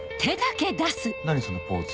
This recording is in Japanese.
何そのポーズ